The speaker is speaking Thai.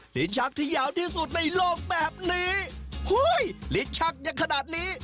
ลิ้นชักที่ยาวที่สุดในโลกแบบนี้อุ้ยลิ้นชักยังขนาดนี้